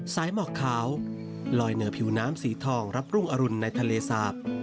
หมอกขาวลอยเหนือผิวน้ำสีทองรับรุ่งอรุณในทะเลสาบ